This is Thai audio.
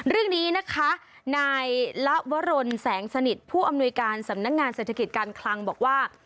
เรื่องนี้นะคะนายละวรนแสงสนิทผู้อำนวยการสำนักงานเศรษฐกิจการคลังบอกว่า